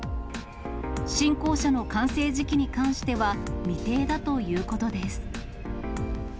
新校舎の完成時期に関しては、未定だということです。